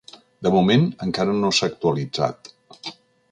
De moment, encara no s’ha actualitzat.